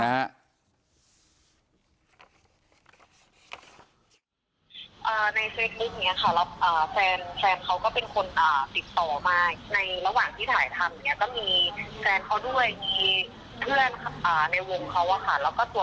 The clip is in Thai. ในเฟซลุคเนี้ยค่ะแล้วแฟนแฟนเขาก็เป็นคนติดต่อมา